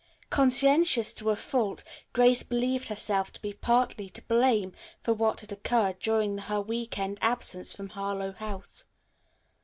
Conscientious to a fault, Grace believed herself to be partly to blame for what had occurred during her week end absence from Harlowe House.